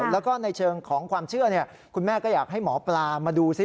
แล้วก็ในเชิงของความเชื่อคุณแม่ก็อยากให้หมอปลามาดูซิ